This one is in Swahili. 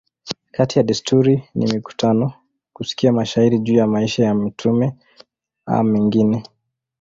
Kati ya desturi ni mikutano, kusikia mashairi juu ya maisha ya mtume a mengine.